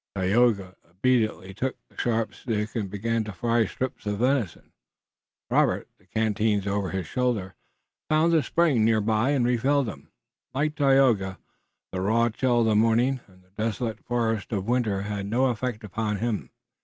Tayoga obediently took the sharpened stick and began to fry strips of venison. Robert, the canteens over his shoulder, found a spring near by and refilled them. Like Tayoga, the raw chill of the morning and the desolate forest of winter had no effect upon him.